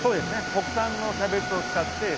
国産のキャベツを使って。